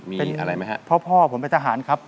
มีอะไรมั้ยครับคุณพ่อผมเป็นทหารครับ